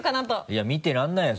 いや見てられないよ